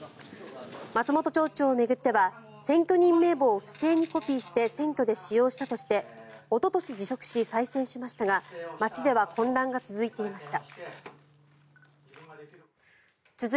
松本町長を巡っては選挙人名簿を不正にコピーして選挙で使用したとしておととし辞職し、再選しましたが町では混乱が続いていました。